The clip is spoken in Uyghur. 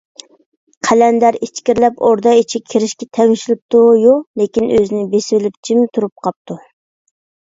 قەلەندەر ئىچكىرىلەپ ئوردا ئىچىگە كىرىشكە تەمشىلىپتۇ - يۇ، لېكىن ئۆزىنى بېسىۋېلىپ جىم تۇرۇپ قاپتۇ.